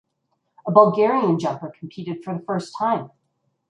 A Bulgarian jumper competed for the first time.